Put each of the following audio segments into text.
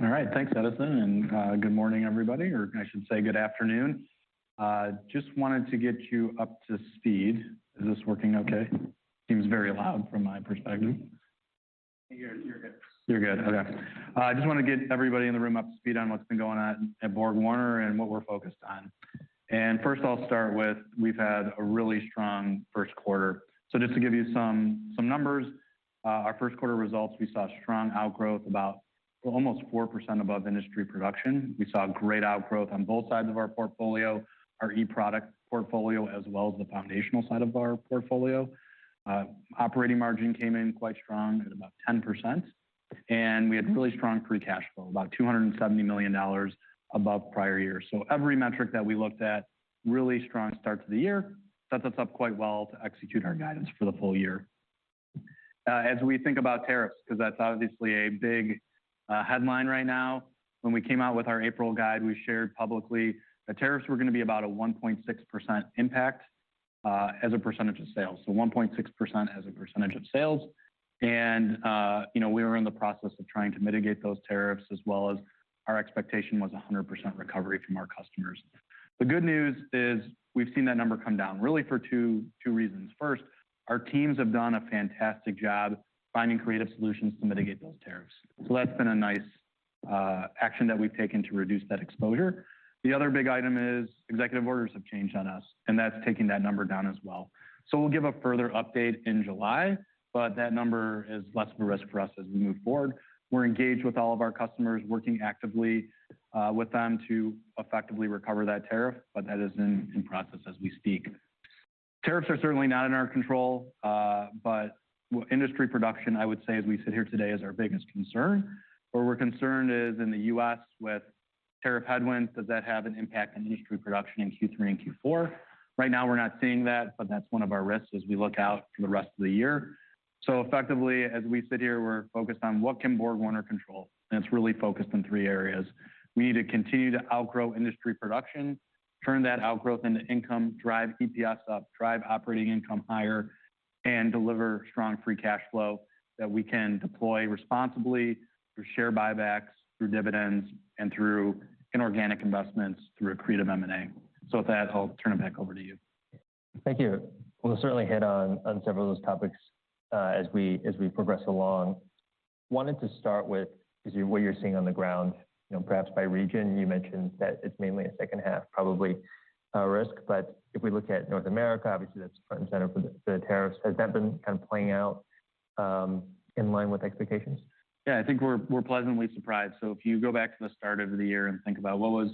All right. Thanks, Edison. Good morning, everybody, or I should say good afternoon. Just wanted to get you up to speed. Is this working okay? Seems very loud from my perspective. You're good. Okay. I just want to get everybody in the room up to speed on what's been going on at BorgWarner and what we're focused on. First, I'll start with we've had a really strong first quarter. Just to give you some numbers, our first quarter results, we saw strong outgrowth, about almost 4% above industry production. We saw great outgrowth on both sides of our portfolio, our e-product portfolio, as well as the foundational side of our portfolio. Operating margin came in quite strong at about 10%. We had really strong free cash flow, about $270 million above prior year. Every metric that we looked at, really strong start to the year, set us up quite well to execute our guidance for the full year. As we think about tariffs, because that's obviously a big headline right now, when we came out with our April guide, we shared publicly that tariffs were going to be about a 1.6% impact as a percentage of sales. So 1.6% as a percentage of sales. We were in the process of trying to mitigate those tariffs, as well as our expectation was 100% recovery from our customers. The good news is we've seen that number come down really for two reasons. First, our teams have done a fantastic job finding creative solutions to mitigate those tariffs. That's been a nice action that we've taken to reduce that exposure. The other big item is executive orders have changed on us, and that's taking that number down as well. We'll give a further update in July, but that number is less of a risk for us as we move forward. We're engaged with all of our customers, working actively with them to effectively recover that tariff, but that is in process as we speak. Tariffs are certainly not in our control, but industry production, I would say, as we sit here today, is our biggest concern. Where we're concerned is in the U.S. with tariff headwinds, does that have an impact on industry production in Q3 and Q4? Right now, we're not seeing that, but that's one of our risks as we look out for the rest of the year. Effectively, as we sit here, we're focused on what can BorgWarner control, and it's really focused on three areas. We need to continue to outgrow industry production, turn that outgrowth into income, drive EPS up, drive operating income higher, and deliver strong free cash flow that we can deploy responsibly through share buybacks, through dividends, and through inorganic investments through accretive M&A. With that, I'll turn it back over to you. Thank you. We'll certainly hit on several of those topics as we progress along. Wanted to start with what you're seeing on the ground, perhaps by region. You mentioned that it's mainly a second half, probably a risk. If we look at North America, obviously, that's front and center for the tariffs. Has that been kind of playing out in line with expectations? Yeah, I think we're pleasantly surprised. If you go back to the start of the year and think about what was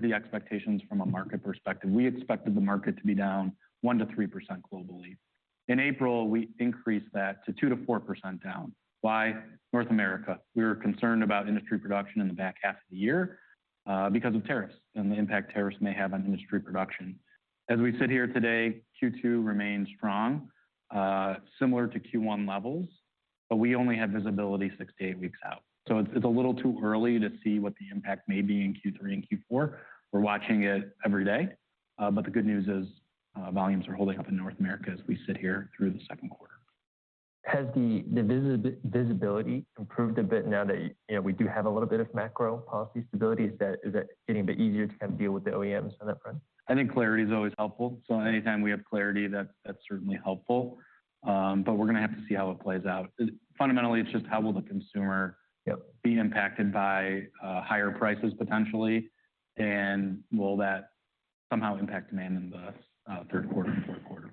the expectations from a market perspective, we expected the market to be down 1-3% globally. In April, we increased that to 2-4% down. Why? North America. We were concerned about industry production in the back half of the year because of tariffs and the impact tariffs may have on industry production. As we sit here today, Q2 remains strong, similar to Q1 levels, but we only have visibility six to eight weeks out. It is a little too early to see what the impact may be in Q3 and Q4. We're watching it every day. The good news is volumes are holding up in North America as we sit here through the second quarter. Has the visibility improved a bit now that we do have a little bit of macro policy stability? Is that getting a bit easier to kind of deal with the OEMs on that front? I think clarity is always helpful. Anytime we have clarity, that's certainly helpful. We are going to have to see how it plays out. Fundamentally, it's just how will the consumer be impacted by higher prices potentially, and will that somehow impact demand in the third quarter and fourth quarter?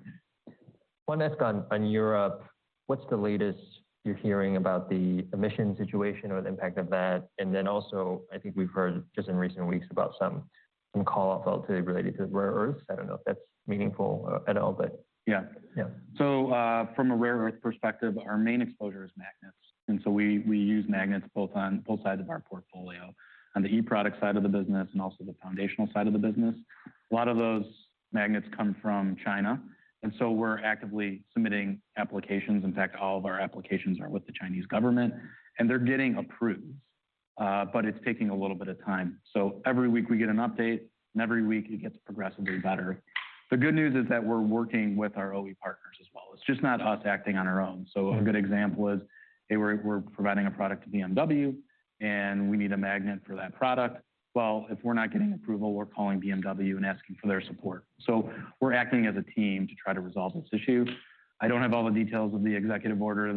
One ask on Europe. What's the latest you're hearing about the emissions situation or the impact of that? Also, I think we've heard just in recent weeks about some callouts relatively related to rare earths. I don't know if that's meaningful at all, but. Yeah. From a rare earth perspective, our main exposure is magnets. We use magnets on both sides of our portfolio, on the e-product side of the business and also the foundational side of the business. A lot of those magnets come from China. We are actively submitting applications. In fact, all of our applications are with the Chinese government, and they are getting approved, but it is taking a little bit of time. Every week we get an update, and every week it gets progressively better. The good news is that we are working with our OE partners as well. It is not just us acting on our own. A good example is we are providing a product to BMW, and we need a magnet for that product. If we are not getting approval, we are calling BMW and asking for their support. We're acting as a team to try to resolve this issue. I don't have all the details of the executive order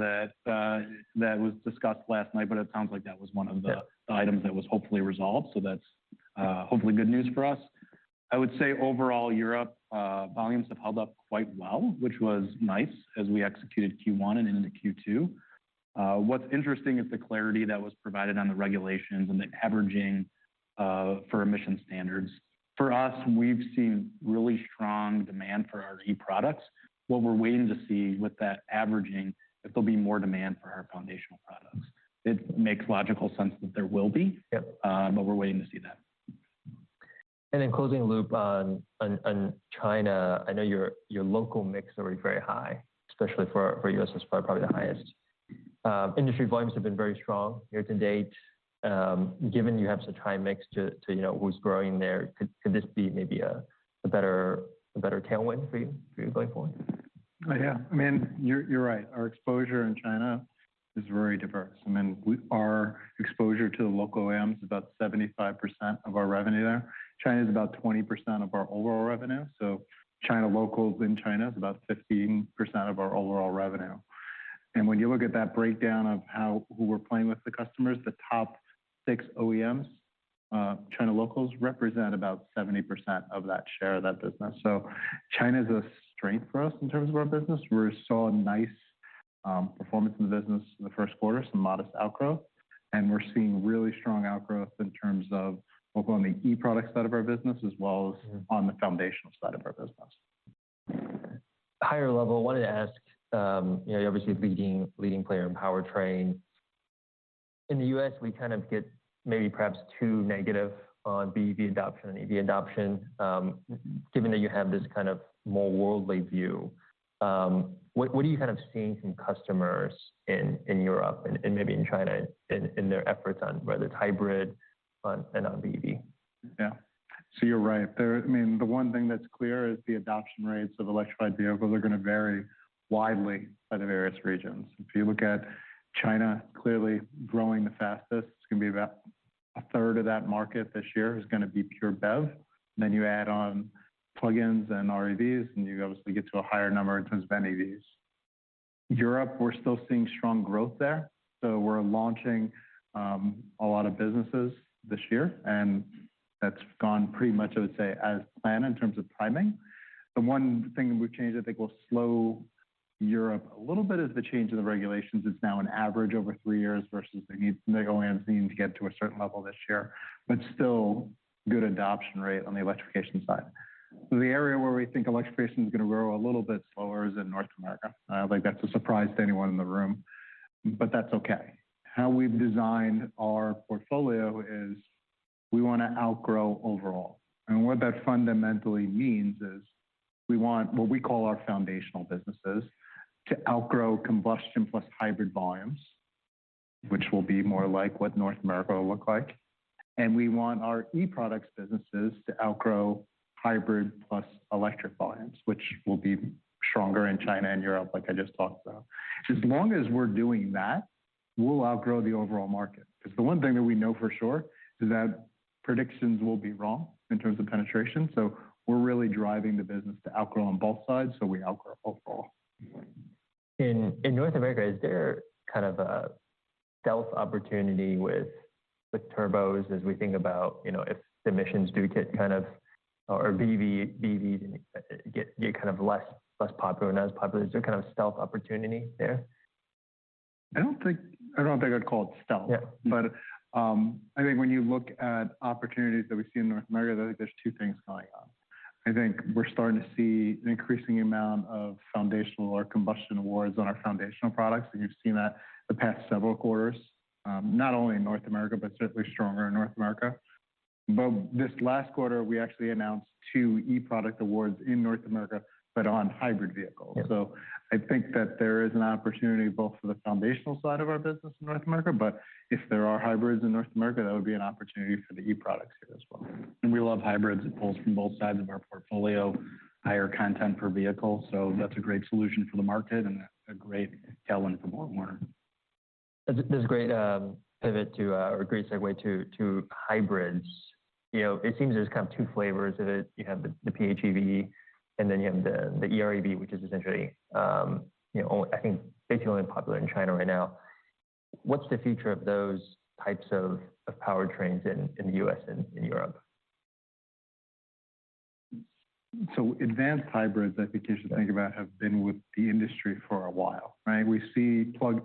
that was discussed last night, but it sounds like that was one of the items that was hopefully resolved. That's hopefully good news for us. I would say overall, Europe volumes have held up quite well, which was nice as we executed Q1 and into Q2. What's interesting is the clarity that was provided on the regulations and the averaging for emissions standards. For us, we've seen really strong demand for our e-products. What we're waiting to see with that averaging is if there will be more demand for our foundational products. It makes logical sense that there will be, but we're waiting to see that. Closing the loop on China, I know your local mix is already very high, especially for U.S., probably the highest. Industry volumes have been very strong here to date. Given you have such high mix to who's growing there, could this be maybe a better tailwind for you going forward? Yeah. I mean, you're right. Our exposure in China is very diverse. I mean, our exposure to the local OEMs is about 75% of our revenue there. China is about 20% of our overall revenue. So China locals in China is about 15% of our overall revenue. When you look at that breakdown of who we're playing with, the customers, the top six OEMs, China locals represent about 70% of that share of that business. China is a strength for us in terms of our business. We saw nice performance in the business in the first quarter, some modest outgrowth. We're seeing really strong outgrowth in terms of both on the e-product side of our business as well as on the foundational side of our business. Higher level, I wanted to ask, you're obviously a leading player in powertrain. In the U.S., we kind of get maybe perhaps too negative on BEV adoption and EV adoption. Given that you have this kind of more worldly view, what are you kind of seeing from customers in Europe and maybe in China in their efforts on whether it's hybrid and on BEV? Yeah. So you're right. I mean, the one thing that's clear is the adoption rates of electrified vehicles are going to vary widely by the various regions. If you look at China, clearly growing the fastest, it's going to be about a third of that market this year is going to be pure BEV. Then you add on plugins and REVs, and you obviously get to a higher number in terms of NEVs. Europe, we're still seeing strong growth there. We're launching a lot of businesses this year, and that's gone pretty much, I would say, as planned in terms of timing. The one thing that we've changed I think will slow Europe a little bit is the change in the regulations. It's now an average over three years versus the OEMs needing to get to a certain level this year, but still good adoption rate on the electrification side. The area where we think electrification is going to grow a little bit slower is in North America. I don't think that's a surprise to anyone in the room, but that's okay. How we've designed our portfolio is we want to outgrow overall. What that fundamentally means is we want what we call our foundational businesses to outgrow combustion plus hybrid volumes, which will be more like what North America will look like. We want our e-products businesses to outgrow hybrid + electric volumes, which will be stronger in China and Europe, like I just talked about. As long as we're doing that, we'll outgrow the overall market. Because the one thing that we know for sure is that predictions will be wrong in terms of penetration. So we're really driving the business to outgrow on both sides, so we outgrow overall. In North America, is there kind of a stealth opportunity with turbos as we think about if emissions do get kind of or BEVs get kind of less popular and not as popular? Is there kind of stealth opportunity there? I do not think I would call it stealth, but I think when you look at opportunities that we see in North America, I think there are two things going on. I think we are starting to see an increasing amount of foundational or combustion awards on our foundational products. You have seen that the past several quarters, not only in North America, but certainly stronger in North America. This last quarter, we actually announced two e-product awards in North America, but on hybrid vehicles. I think that there is an opportunity both for the foundational side of our business in North America, but if there are hybrids in North America, that would be an opportunity for the e-products here as well. We love hybrids. It pulls from both sides of our portfolio, higher content per vehicle. That is a great solution for the market and a great tailwind for BorgWarner. That's a great pivot to or a great segue to hybrids. It seems there's kind of two flavors of it. You have the PHEV, and then you have the EREV, which is essentially, I think, basically only popular in China right now. What's the future of those types of powertrains in the U.S. and in Europe? Advanced hybrids, I think you should think about, have been with the industry for a while. We see plug,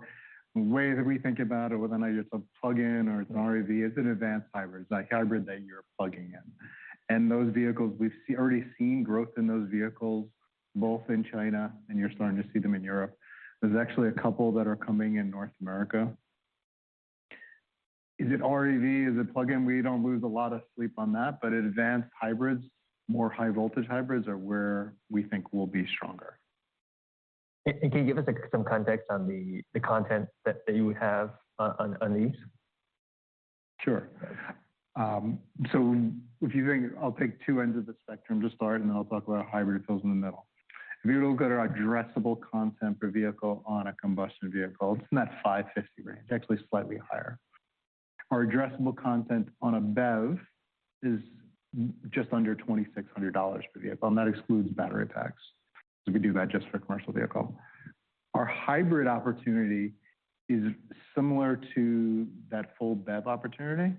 the way that we think about it, whether it's a plug-in or it's an REV, it's an advanced hybrid, like hybrid that you're plugging in. And those vehicles, we've already seen growth in those vehicles both in China, and you're starting to see them in Europe. There's actually a couple that are coming in North America. Is it REV? Is it plug-in? We don't lose a lot of sleep on that, but advanced hybrids, more high-voltage hybrids are where we think we'll be stronger. Can you give us some context on the content that you would have on these? Sure. If you think I'll take two ends of the spectrum to start, and then I'll talk about hybrid fills in the middle. If you look at our addressable content per vehicle on a combustion vehicle, it's in that $550 range, actually slightly higher. Our addressable content on a BEV is just under $2,600 per vehicle. That excludes battery packs because we do that just for a commercial vehicle. Our hybrid opportunity is similar to that full BEV opportunity,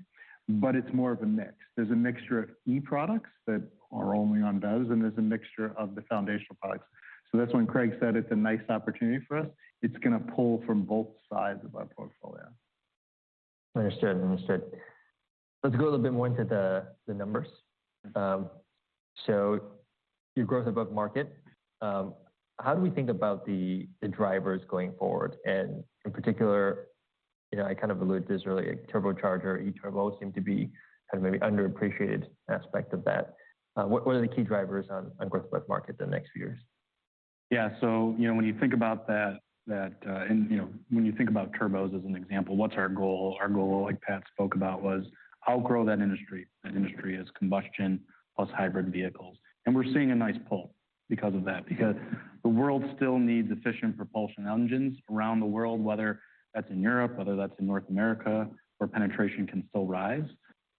but it's more of a mix. There's a mixture of e-products that are only on BEVs, and there's a mixture of the foundational products. That's when Craig said it's a nice opportunity for us. It's going to pull from both sides of our portfolio. Understood. Understood. Let's go a little bit more into the numbers. Your growth above market, how do we think about the drivers going forward? In particular, I kind of alluded to this earlier, turbochargers, e-turbos seem to be kind of maybe underappreciated aspect of that. What are the key drivers on growth above market in the next few years? Yeah. So when you think about that, and when you think about turbos as an example, what's our goal? Our goal, like Pat spoke about, was outgrow that industry. That industry is combustion plus hybrid vehicles. We're seeing a nice pull because of that. Because the world still needs efficient propulsion engines around the world, whether that's in Europe, whether that's in North America, where penetration can still rise.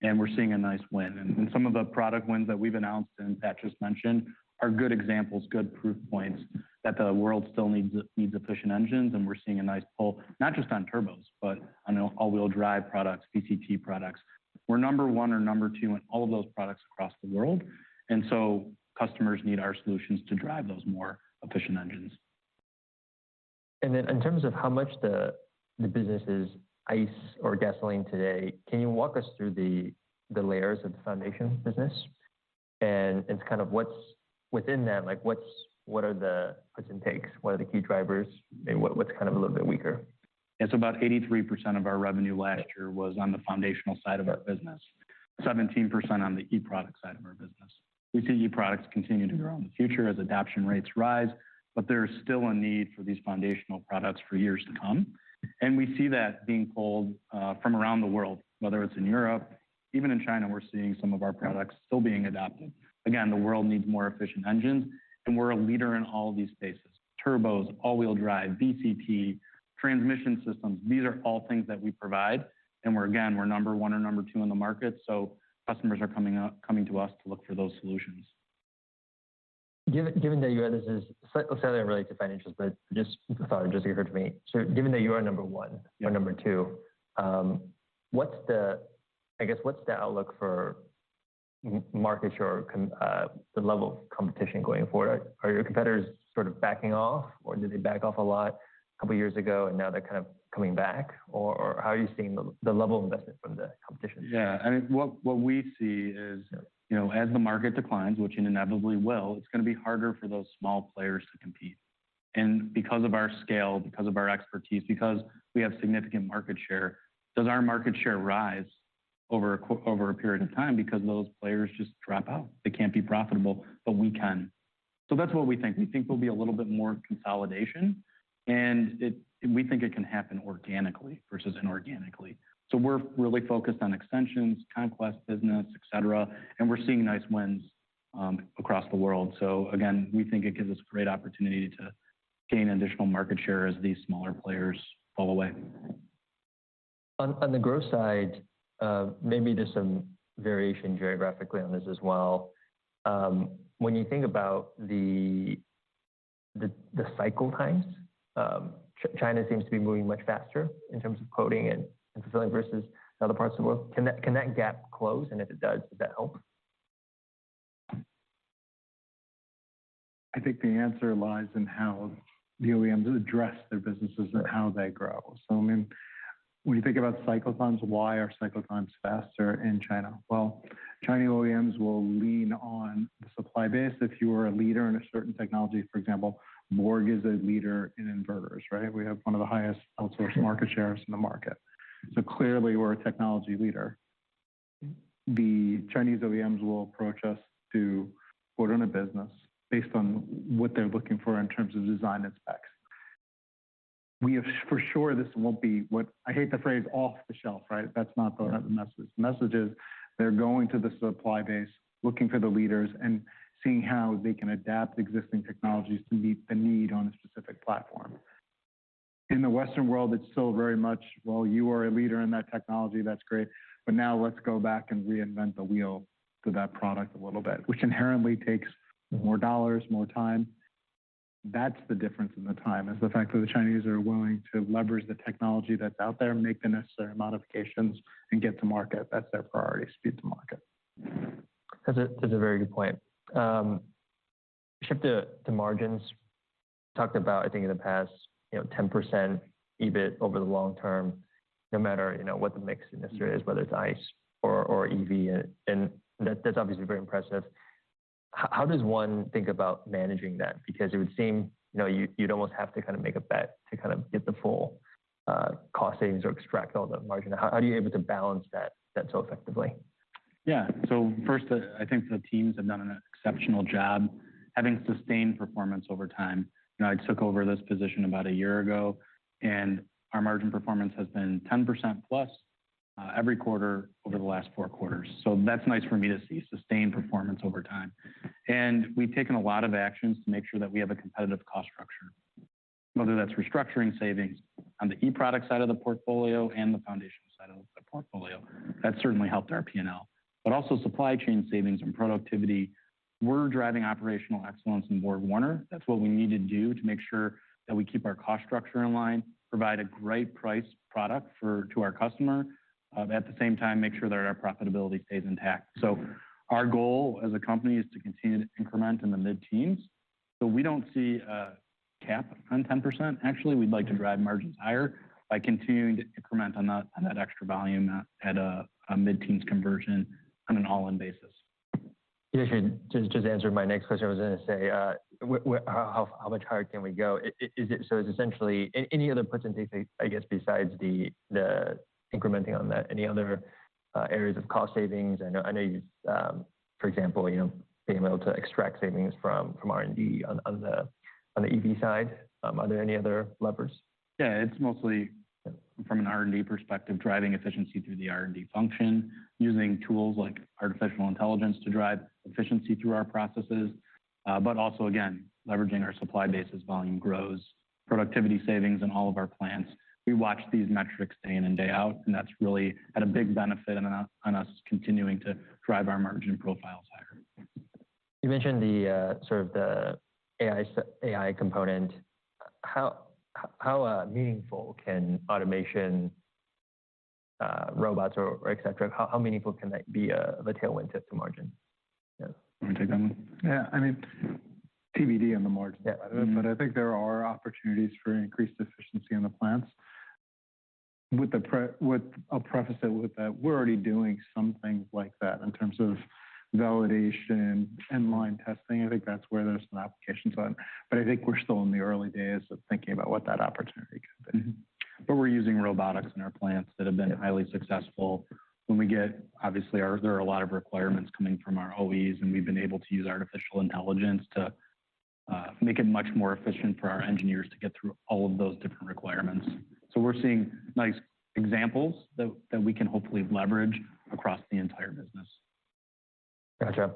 We're seeing a nice win. Some of the product wins that we've announced and Pat just mentioned are good examples, good proof points that the world still needs efficient engines. We're seeing a nice pull, not just on turbos, but on all-wheel drive products, VCT products. We're number one or number two in all of those products across the world. Customers need our solutions to drive those more efficient engines. In terms of how much the business is ICE or gasoline today, can you walk us through the layers of the foundation business? And kind of what's within that? What are the % takes? What are the key drivers? What's kind of a little bit weaker? It's about 83% of our revenue last year was on the foundational side of our business, 17% on the e-product side of our business. We see e-products continue to grow in the future as adoption rates rise, but there's still a need for these foundational products for years to come. We see that being pulled from around the world, whether it's in Europe. Even in China, we're seeing some of our products still being adopted. Again, the world needs more efficient engines, and we're a leader in all of these spaces: turbochargers, all-wheel drive products, VCT products, transmission systems. These are all things that we provide. Again, we're number one or number two in the market. Customers are coming to us to look for those solutions. Given that you are, this is slightly unrelated to financials, but just thought it just occurred to me. Given that you are number one or number two, I guess, what's the outlook for market share, the level of competition going forward? Are your competitors sort of backing off, or did they back off a lot a couple of years ago, and now they're kind of coming back? How are you seeing the level of investment from the competition? Yeah. I mean, what we see is as the market declines, which inevitably will, it's going to be harder for those small players to compete. And because of our scale, because of our expertise, because we have significant market share, does our market share rise over a period of time because those players just drop out? They can't be profitable, but we can. That's what we think. We think there'll be a little bit more consolidation, and we think it can happen organically versus inorganically. We're really focused on extensions, conquest business, et cetera, and we're seeing nice wins across the world. Again, we think it gives us a great opportunity to gain additional market share as these smaller players fall away. On the growth side, maybe there's some variation geographically on this as well. When you think about the cycle times, China seems to be moving much faster in terms of quoting and fulfilling versus other parts of the world. Can that gap close? If it does, does that help? I think the answer lies in how the OEMs address their businesses and how they grow. I mean, when you think about cycle times, why are cycle times faster in China? Chinese OEMs will lean on the supply base. If you are a leader in a certain technology, for example, BorgWarner is a leader in inverters, right? We have one of the highest outsourced market shares in the market. Clearly, we are a technology leader. The Chinese OEMs will approach us to quote on a business based on what they are looking for in terms of design and specs. For sure, this will not be what I hate, the phrase off the shelf, right? That is not the message. The message is they are going to the supply base, looking for the leaders, and seeing how they can adapt existing technologies to meet the need on a specific platform. In the Western world, it's still very much, well, you are a leader in that technology, that's great, but now let's go back and reinvent the wheel to that product a little bit, which inherently takes more dollars, more time. That's the difference in the time is the fact that the Chinese are willing to leverage the technology that's out there, make the necessary modifications, and get to market. That's their priority: speed to market. That's a very good point. Shift to margins. You talked about, I think in the past, 10% EBIT over the long term, no matter what the mix in this area is, whether it's ICE or EV. That's obviously very impressive. How does one think about managing that? Because it would seem you'd almost have to kind of make a bet to kind of get the full cost savings or extract all the margin. How are you able to balance that so effectively? Yeah. First, I think the teams have done an exceptional job having sustained performance over time. I took over this position about a year ago, and our margin performance has been 10% + every quarter over the last four quarters. That is nice for me to see sustained performance over time. We have taken a lot of actions to make sure that we have a competitive cost structure, whether that is restructuring savings on the e-product side of the portfolio and the foundation side of the portfolio. That has certainly helped our P&L, but also supply chain savings and productivity. We are driving operational excellence in BorgWarner. That is what we need to do to make sure that we keep our cost structure in line, provide a great price product to our customer, at the same time, make sure that our profitability stays intact. Our goal as a company is to continue to increment in the mid-teens. We do not see a cap on 10%. Actually, we would like to drive margins higher by continuing to increment on that extra volume at a mid-teens conversion on an all-in basis. Just to answer my next question, I was going to say, how much higher can we go? So it's essentially any other % takes, I guess, besides the incrementing on that, any other areas of cost savings? I know, for example, being able to extract savings from R&D on the EV side. Are there any other levers? Yeah. It's mostly from an R&D perspective, driving efficiency through the R&D function, using tools like artificial intelligence to drive efficiency through our processes, but also, again, leveraging our supply base as volume grows, productivity savings in all of our plants. We watch these metrics day in and day out, and that's really had a big benefit on us continuing to drive our margin profiles higher. You mentioned sort of the AI component. How meaningful can automation, robots, or et cetera? How meaningful can that be of a tailwind to margin? Let me take that one. Yeah. I mean, TBD on the margin side of it, but I think there are opportunities for increased efficiency on the plants. With a preface that we're already doing some things like that in terms of validation and line testing, I think that's where there's some applications on. I think we're still in the early days of thinking about what that opportunity could be. We're using robotics in our plants that have been highly successful. When we get, obviously, there are a lot of requirements coming from our OEs, and we've been able to use artificial intelligence to make it much more efficient for our engineers to get through all of those different requirements. We're seeing nice examples that we can hopefully leverage across the entire business. Gotcha.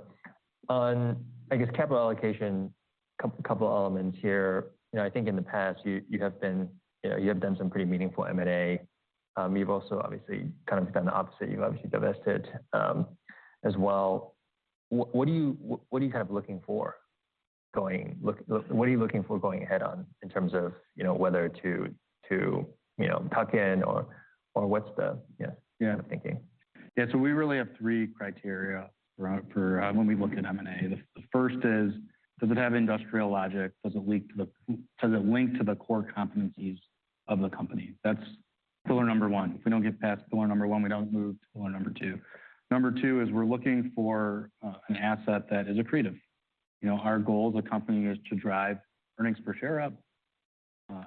On, I guess, capital allocation, a couple of elements here. I think in the past, you have done some pretty meaningful M&A. You've also obviously kind of done the opposite. You've obviously divested as well. What are you kind of looking for going, what are you looking for going ahead on in terms of whether to tuck in or what's the thinking? Yeah. So we really have three criteria when we look at M&A. The first is, does it have industrial logic? Does it link to the core competencies of the company? That is pillar number one. If we do not get past pillar number one, we do not move to pillar number two. Number two is we are looking for an asset that is accretive. Our goal as a company is to drive earnings per share up,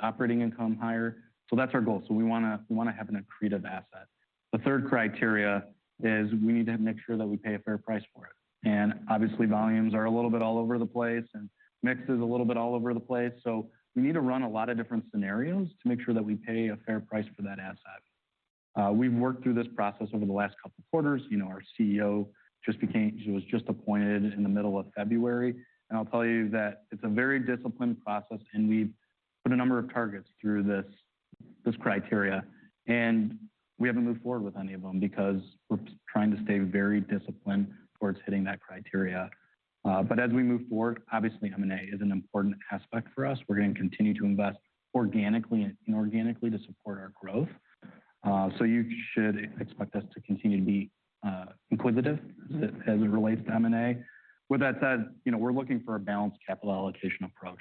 operating income higher. That is our goal. We want to have an accretive asset. The third criteria is we need to make sure that we pay a fair price for it. Obviously, volumes are a little bit all over the place, and mix is a little bit all over the place. We need to run a lot of different scenarios to make sure that we pay a fair price for that asset. We've worked through this process over the last couple of quarters. Our CEO was just appointed in the middle of February. I'll tell you that it's a very disciplined process, and we've put a number of targets through this criteria. We haven't moved forward with any of them because we're trying to stay very disciplined towards hitting that criteria. As we move forward, obviously, M&A is an important aspect for us. We're going to continue to invest organically and inorganically to support our growth. You should expect us to continue to be inquisitive as it relates to M&A. With that said, we're looking for a balanced capital allocation approach.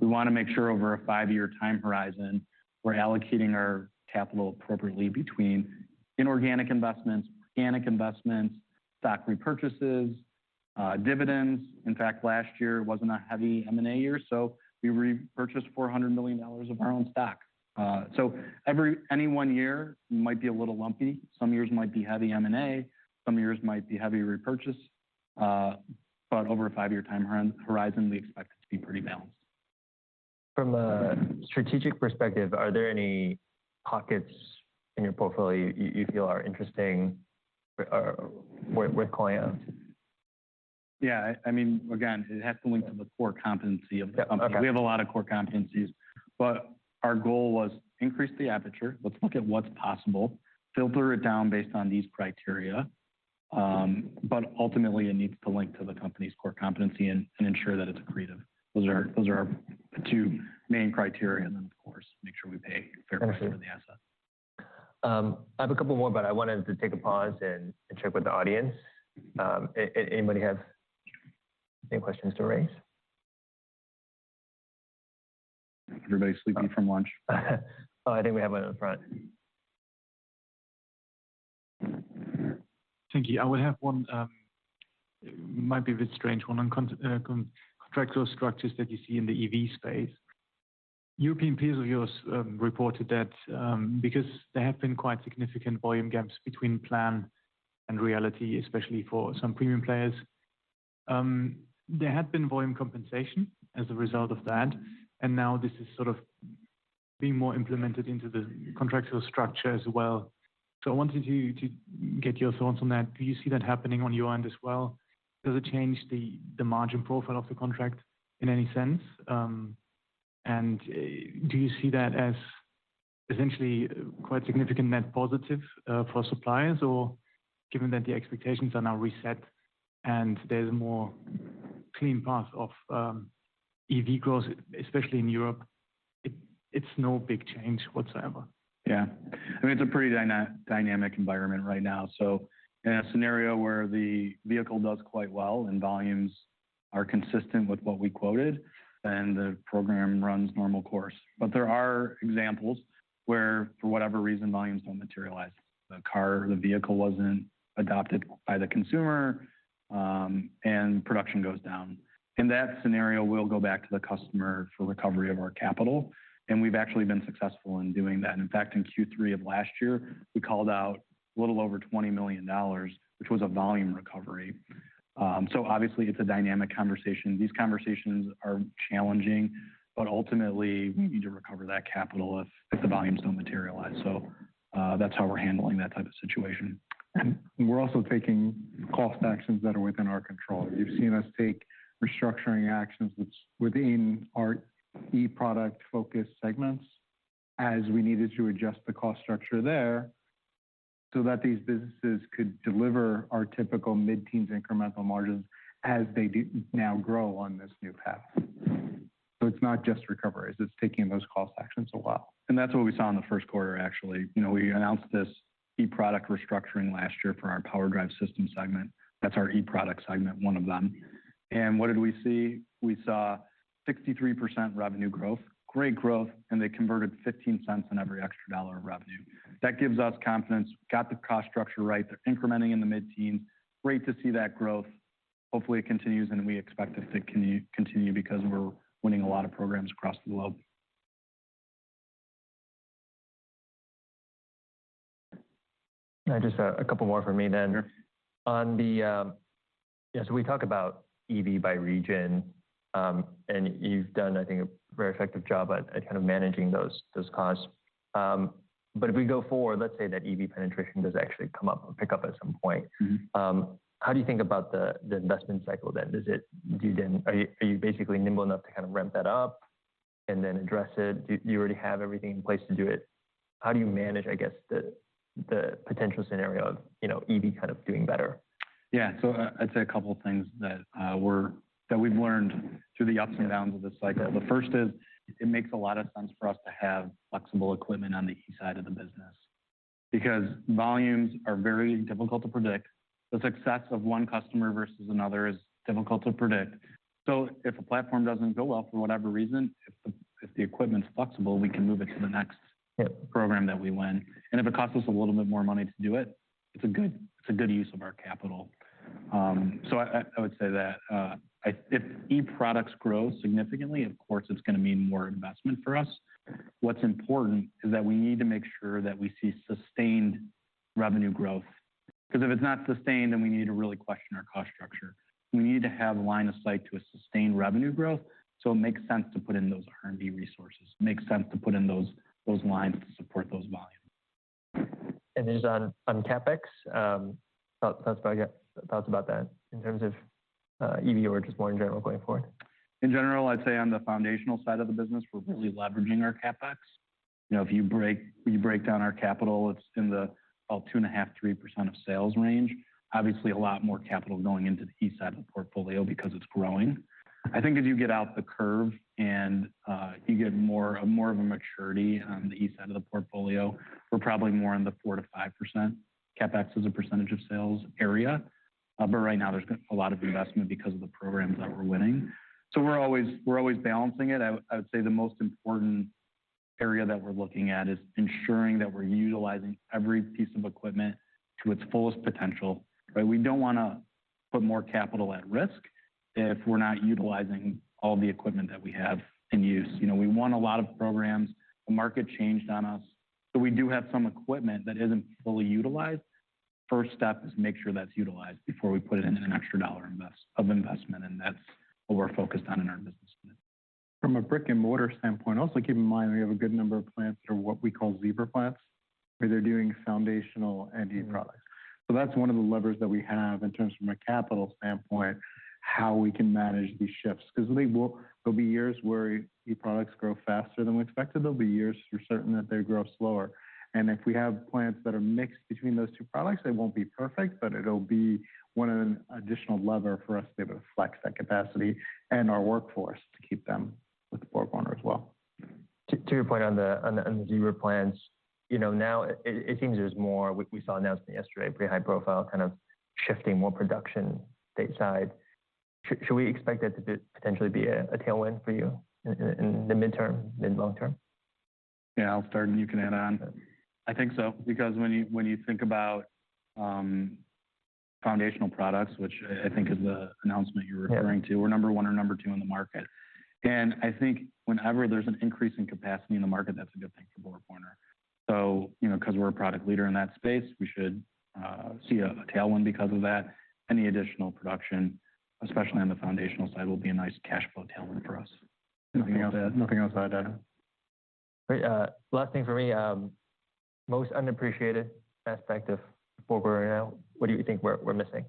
We want to make sure over a five-year time horizon, we're allocating our capital appropriately between inorganic investments, organic investments, stock repurchases, dividends. In fact, last year was not a heavy M&A year, so we repurchased $400 million of our own stock. Any one year might be a little lumpy. Some years might be heavy M&A. Some years might be heavy repurchase. Over a five-year time horizon, we expect it to be pretty balanced. From a strategic perspective, are there any pockets in your portfolio you feel are interesting or worth calling out? Yeah. I mean, again, it has to link to the core competency of the company. We have a lot of core competencies. Our goal was to increase the aperture. Let's look at what's possible, filter it down based on these criteria. Ultimately, it needs to link to the company's core competency and ensure that it's accretive. Those are our two main criteria. Of course, make sure we pay a fair price for the asset. I have a couple more, but I wanted to take a pause and check with the audience. Anybody have any questions to raise? Everybody's sleeping from lunch. Oh, I think we have one up front. Thank you. I would have one, might be a bit strange, one on contractual structures that you see in the EV space. European peers of yours reported that because there have been quite significant volume gaps between plan and reality, especially for some premium players, there had been volume compensation as a result of that. Now this is sort of being more implemented into the contractual structure as well. I wanted to get your thoughts on that. Do you see that happening on your end as well? Does it change the margin profile of the contract in any sense? Do you see that as essentially quite significant net positive for suppliers? Or given that the expectations are now reset and there is a more clean path of EV growth, especially in Europe, it is no big change whatsoever? Yeah. I mean, it's a pretty dynamic environment right now. In a scenario where the vehicle does quite well and volumes are consistent with what we quoted, then the program runs normal course. There are examples where, for whatever reason, volumes do not materialize. The car or the vehicle was not adopted by the consumer, and production goes down. In that scenario, we will go back to the customer for recovery of our capital. We have actually been successful in doing that. In fact, in Q3 of last year, we called out a little over $20 million, which was a volume recovery. Obviously, it is a dynamic conversation. These conversations are challenging, but ultimately, we need to recover that capital if the volumes do not materialize. That is how we are handling that type of situation. We are also taking cost actions that are within our control. You have seen us take restructuring actions within our e-product-focused segments as we needed to adjust the cost structure there so that these businesses could deliver our typical mid-teens incremental margins as they now grow on this new path. It is not just recoveries. It is taking those cost actions a while. That is what we saw in the first quarter, actually. We announced this e-product restructuring last year for our power drive system segment. That is our e-product segment, one of them. What did we see? We saw 63% revenue growth, great growth, and they converted 15 cents on every extra dollar of revenue. That gives us confidence. Got the cost structure right. They are incrementing in the mid-teens. Great to see that growth. Hopefully, it continues, and we expect it to continue because we are winning a lot of programs across the globe. Just a couple more for me then. Yeah. We talk about EV by region, and you've done, I think, a very effective job at kind of managing those costs. If we go forward, let's say that EV penetration does actually come up and pick up at some point, how do you think about the investment cycle then? Are you basically nimble enough to kind of ramp that up and then address it? Do you already have everything in place to do it? How do you manage, I guess, the potential scenario of EV kind of doing better? Yeah. I'd say a couple of things that we've learned through the ups and downs of this cycle. The first is it makes a lot of sense for us to have flexible equipment on the east side of the business because volumes are very difficult to predict. The success of one customer versus another is difficult to predict. If a platform does not go well for whatever reason, if the equipment is flexible, we can move it to the next program that we win. If it costs us a little bit more money to do it, it is a good use of our capital. I would say that if e-products grow significantly, of course, it is going to mean more investment for us. What's important is that we need to make sure that we see sustained revenue growth because if it's not sustained, then we need to really question our cost structure. We need to have a line of sight to a sustained revenue growth. It makes sense to put in those R&D resources. It makes sense to put in those lines to support those volumes. Just on CapEx, thoughts about that in terms of EV or just more in general going forward? In general, I'd say on the foundational side of the business, we're really leveraging our CapEx. If you break down our capital, it's in the 2.5%-3% of sales range. Obviously, a lot more capital going into the east side of the portfolio because it's growing. I think as you get out the curve and you get more of a maturity on the east side of the portfolio, we're probably more in the 4%-5% CapEx as a percentage of sales area. Right now, there's a lot of investment because of the programs that we're winning. We're always balancing it. I would say the most important area that we're looking at is ensuring that we're utilizing every piece of equipment to its fullest potential. We don't want to put more capital at risk if we're not utilizing all the equipment that we have in use. We want a lot of programs. The market changed on us. So we do have some equipment that isn't fully utilized. First step is to make sure that's utilized before we put in an extra dollar of investment. That's what we're focused on in our business. From a brick-and-mortar standpoint, also keep in mind we have a good number of plants that are what we call Zebra Plants, where they're doing foundational and e-products. That is one of the levers that we have in terms from a capital standpoint, how we can manage these shifts. There will be years where e-products grow faster than we expected. There will be years we're certain that they grow slower. If we have plants that are mixed between those two products, it will not be perfect, but it will be one additional lever for us to be able to flex that capacity and our workforce to keep them with BorgWarner as well. To your point on the Zebra Plants, now it seems there's more, we saw announcement yesterday, pretty high-profile, kind of shifting more production stateside. Should we expect that to potentially be a tailwind for you in the midterm, mid-long term? Yeah. I'll start, and you can add on. I think so. Because when you think about foundational products, which I think is the announcement you're referring to, we're number one or number two in the market. I think whenever there's an increase in capacity in the market, that's a good thing for BorgWarner. Because we're a product leader in that space, we should see a tailwind because of that. Any additional production, especially on the foundational side, will be a nice cash flow tailwind for us. Nothing else to add. Great. Last thing for me. Most unappreciated aspect of BorgWarner right now. What do you think we're missing?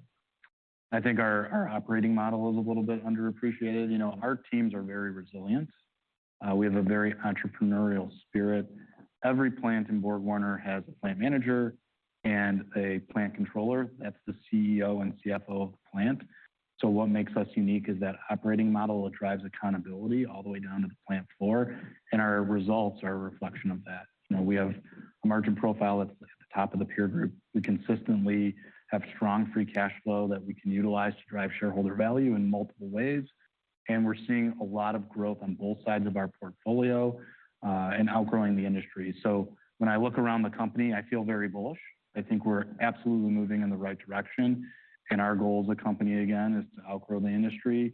I think our operating model is a little bit underappreciated. Our teams are very resilient. We have a very entrepreneurial spirit. Every plant in BorgWarner has a plant manager and a plant controller. That's the CEO and CFO of the plant. What makes us unique is that operating model that drives accountability all the way down to the plant floor. Our results are a reflection of that. We have a margin profile that's at the top of the peer group. We consistently have strong free cash flow that we can utilize to drive shareholder value in multiple ways. We're seeing a lot of growth on both sides of our portfolio and outgrowing the industry. When I look around the company, I feel very bullish. I think we're absolutely moving in the right direction. Our goal as a company, again, is to outgrow the industry,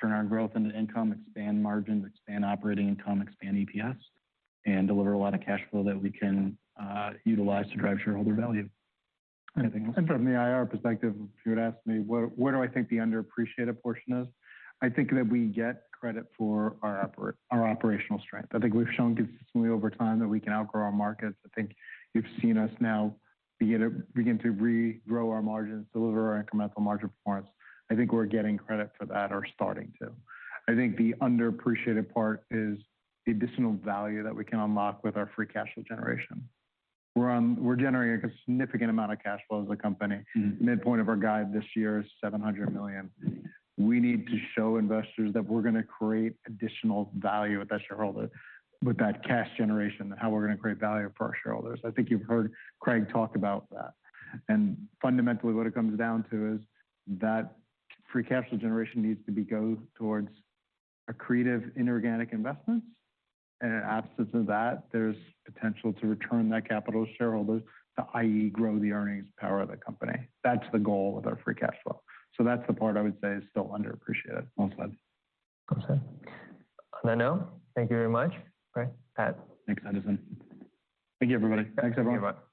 turn our growth into income, expand margins, expand operating income, expand EPS, and deliver a lot of cash flow that we can utilize to drive shareholder value. From the IR perspective, if you would ask me where do I think the underappreciated portion is, I think that we get credit for our operational strength. I think we've shown consistently over time that we can outgrow our markets. I think you've seen us now begin to regrow our margins, deliver our incremental margin performance. I think we're getting credit for that or starting to. I think the underappreciated part is the additional value that we can unlock with our free cash flow generation. We're generating a significant amount of cash flow as a company. Midpoint of our guide this year is $700 million. We need to show investors that we're going to create additional value with that cash generation, and how we're going to create value for our shareholders. I think you've heard Craig talk about that. Fundamentally, what it comes down to is that free cash flow generation needs to go towards accretive inorganic investments. In absence of that, there's potential to return that capital to shareholders, i.e., grow the earnings power of the company. That's the goal with our free cash flow. That's the part I would say is still underappreciated. Go ahead. Thank you very much, Craig. Thanks, Edison. Thank you, everybody. Thanks, everyone. Thank you.